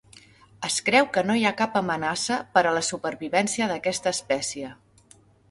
Es creu que no hi ha cap amenaça per a la supervivència d'aquesta espècie.